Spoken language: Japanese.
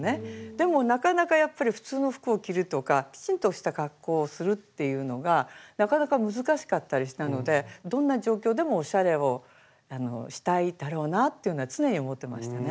でもなかなかやっぱり普通の服を着るとかきちんとした格好をするっていうのがなかなか難しかったりしたのでどんな状況でもおしゃれをしたいだろうなっていうのは常に思ってましたね。